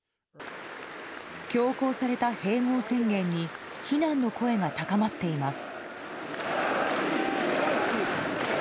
強行された併合宣言に非難の声が高まっています。